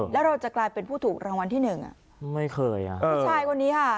แล้วเราจะกลายเป็นผู้ถูกรางวัลที่หนึ่งอ่ะไม่เคยอ่ะผู้ชายคนนี้ค่ะ